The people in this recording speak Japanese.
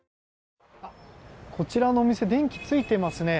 こちらのお店電気、ついていますね。